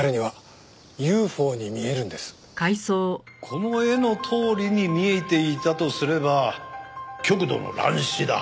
この絵のとおりに見えていたとすれば極度の乱視だ。